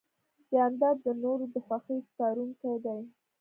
جانداد د نورو د خوښۍ سپارونکی دی.